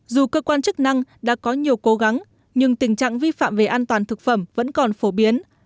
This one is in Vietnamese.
dù cơ quan chức năng đã có nhiều cố gắng nhưng tình trạng vi phạm về an toàn thực phẩm vẫn còn phổ biến